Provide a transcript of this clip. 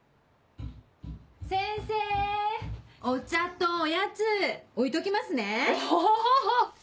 ・先生・・お茶とおやつ置いときますね・お！